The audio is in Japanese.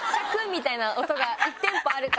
みたいな音が１テンポあるから。